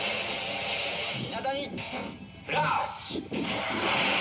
伊那谷フラッシュ！